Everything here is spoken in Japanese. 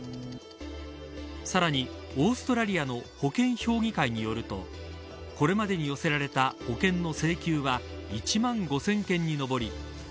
さらに、オーストラリアの保険評議会によるとこれまでに寄せられた保険の請求は１万５０００件にのぼり